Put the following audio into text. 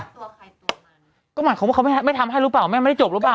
ตัวใครตัวมันก็หมายความว่าเขาไม่ไม่ทำให้รึเปล่าแม่ไม่ได้จบรึเปล่า